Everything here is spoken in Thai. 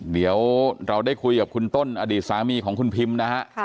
เดี๋ยวเราได้คุยกับคุณต้นอดีตสามีของคุณพิมนะฮะ